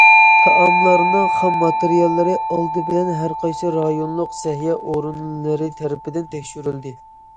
تائاملارنىڭ خام ماتېرىياللىرى ئالدى بىلەن ھەر قايسى رايونلۇق سەھىيە ئورۇنلىرى تەرىپىدىن تەكشۈرۈلدى.